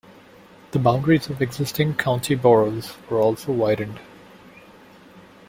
The boundaries of existing county boroughs were also widened.